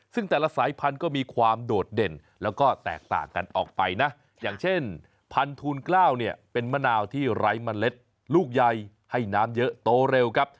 ซึ่งแต่ละสายพันธุ์ก็มีความโดดเด่นแล้วก็แตกต่างกันออกไปนะอย่างเช่นพันทูลกล้าวเนี่ยเป็นมะนาวที่ไร้เมล็ดลูกใหญ่ให้น้ำเยอะโตเร็วครับ